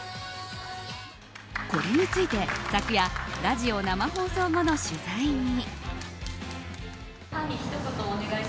これについて、昨夜ラジオ生放送後の取材に。